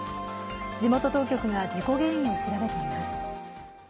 地元当局が事故原因を調べています。